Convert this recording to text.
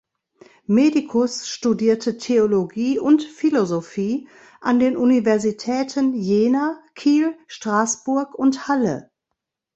Medicus studierte Theologie und Philosophie an den Universitäten Jena, Kiel, Straßburg und Halle.